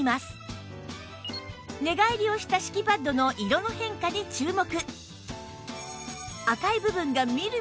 寝返りをした敷きパッドの色の変化に注目！